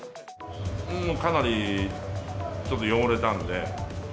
かなりちょっと汚れたので。